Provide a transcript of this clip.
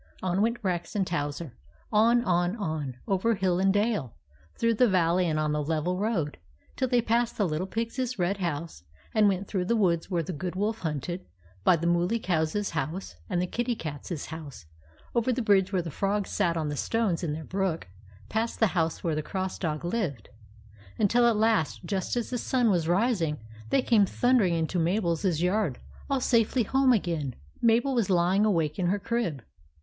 On went Rex and Towser, on, on, on, over hill and dale, through valley and on the level road, till they passed the Little Pig's red house, and went through the woods where the Good Wolf hunted, by the Mooly Cow's house, and the Kitty Cat's house, over the bridge where the Frogs sat on the stones in their brook, past the house where the Cross Dog lived, until at last, just as the sun was rising, they came thundering into Mabel's yard, all safely home again ! Mabel was lying awake in her crib.